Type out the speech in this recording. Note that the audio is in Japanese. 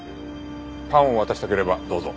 パンを渡したければどうぞ。